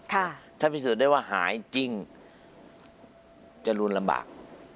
ถ้าพิสูจน์ได้ว่าหายจริงจรูนลำบาก